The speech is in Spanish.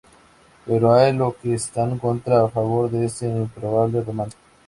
Pero hay los que están contra y a favor de ese improbable romance.